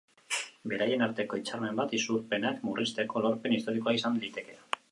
Beraien arteko hitzarmen bat isurpenak murrizteko lorpen historikoa izan liteke.